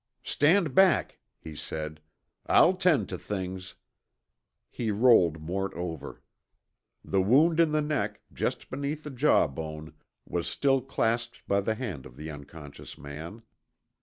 "Stand back," he said. "I'll tend tuh things." He rolled Mort over. The wound in the neck, just beneath the jawbone, was still clasped by the hand of the unconscious man.